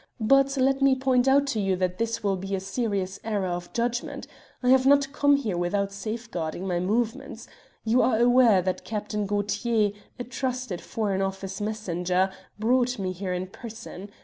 But let me point out to you that this will be a serious error of judgment. I have not come here without safeguarding my movements. You are aware that Captain Gaultier, a trusted Foreign Office messenger, brought me here in person.